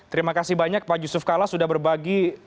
terima kasih banyak pak yusuf kalla sudah berbagi